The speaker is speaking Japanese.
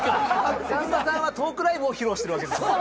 さんまさんはトークライブを披露してるわけですもんね。